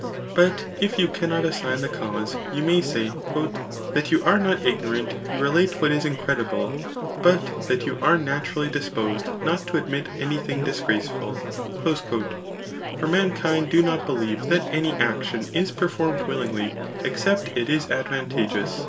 '' But if you cannot asaga the cause, you may say, " That you are not ignorant you relate what is increcUble, but that yon are naturally disposed not to admit any thing disgraceful/' For xnan« kind do not believe that any action is performed willingly^ except it is advantageous.